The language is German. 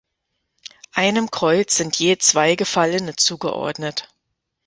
Einem Kreuz sind je zwei Gefallene zugeordnet.